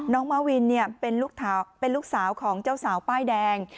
มาวินเป็นลูกสาวของเจ้าสาวป้ายแดง